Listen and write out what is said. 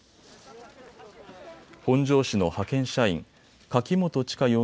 本庄市の派遣社員、柿本知香